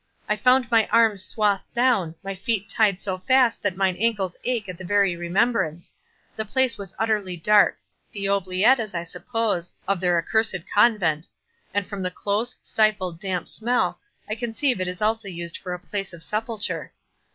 I found my arms swathed down—my feet tied so fast that mine ankles ache at the very remembrance—the place was utterly dark—the oubliette, as I suppose, of their accursed convent, and from the close, stifled, damp smell, I conceive it is also used for a place of sepulture.